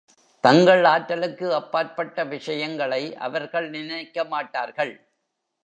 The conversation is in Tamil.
தங்கள் ஆற்றலுக்கு அப்பாற்பட்ட விஷயங்களை அவர்கள் நினைக்க மாட்டார்கள்.